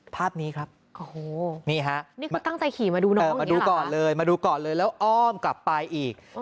ภาพนี้ครับนี่ฮะอ๋อมาดูก่อนเลยแล้วอ้อมกลับไปอีก